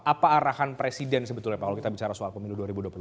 apa arahan presiden sebetulnya pak kalau kita bicara soal pemilu dua ribu dua puluh